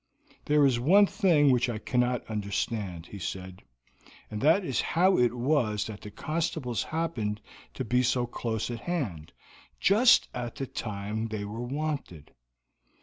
"There is one thing which I cannot understand," he said, "and that is how it was that the constables happened to be so close at hand, just at the time they were wanted."